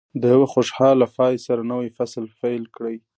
د یوه خوشاله پای سره نوی فصل پیل کړئ.